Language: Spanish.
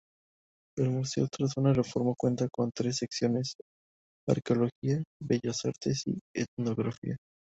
El museo tras una reforma cuenta con "tres secciones": Arqueología, Bellas Artes y Etnografía.